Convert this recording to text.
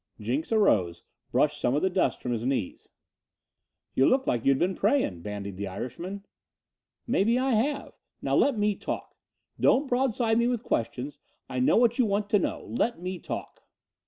Jenks arose, brushed some dust from his knees. "You look like you'd been praying," bandied the Irishman. "Maybe I have. Now let me talk. Don't broadside me with questions. I know what you want to know. Let me talk."